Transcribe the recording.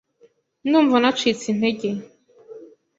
Ndumva nacitse intege .